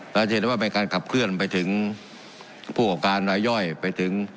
เราจะเห็นได้ว่าเป็นการขับเคลื่อนไปถึงผู้ประกอบการรายย่อยไปถึง